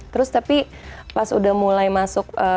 terus tapi pas udah mulai masuk